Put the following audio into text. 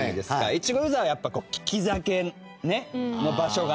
越後湯沢は、やっぱり利き酒の場所があったりとか。